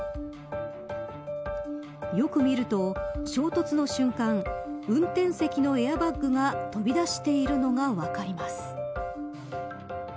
よく見ると衝突の瞬間運転席のエアバッグが飛び出しているのが分かります。